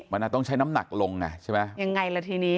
มันอาจต้องใช้น้ำหนักลงใช่ไหม